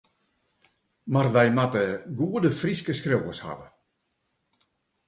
Mar wy moatte goede Fryske skriuwers hawwe.